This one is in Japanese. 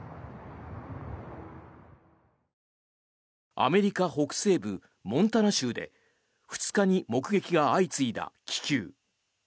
アメリカ北西部モンタナ州で２日に目撃が相次いだ気球。